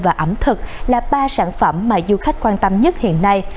và ẩm thực là ba sản phẩm mà du khách quan tâm nhất hiện nay